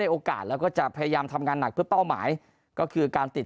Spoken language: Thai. โอกาสแล้วก็จะพยายามทำงานหนักเพื่อเป้าหมายก็คือการติด